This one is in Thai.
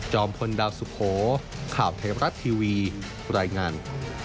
พลดาวสุโขข่าวเทพรัฐทีวีรายงาน